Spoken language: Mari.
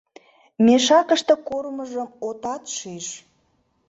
Мешакыште кормыжым отат шиж...